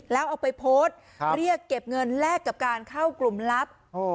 แล้วเอาไปโพสต์เรียกเก็บเงินแลกกับการเข้ากลุ่มลับ